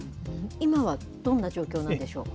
今はどんな状況なんでしょう？